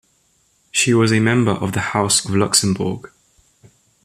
She was a member of the House of Luxembourg.